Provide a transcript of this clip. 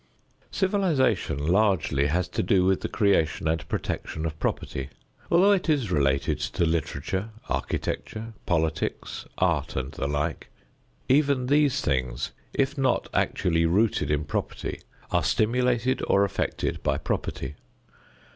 Civilization largely has to do with the creation and protection of property. Although it is related to literature, architecture, politics, art and the like; even these things if not actually rooted in property are stimulated or affected by property.